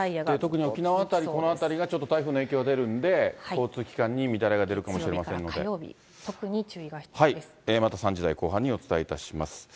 特に沖縄辺り、この辺りがちょっと台風の影響出るんで、交通機関に乱れが出るか火曜日、また３時台後半にお伝えいたします。